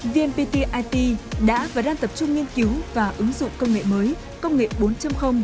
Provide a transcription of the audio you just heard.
vnpt it đã và đang tập trung nghiên cứu và ứng dụng công nghệ mới công nghệ bốn